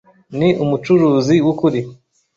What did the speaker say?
Ni umucuruzi wukuri.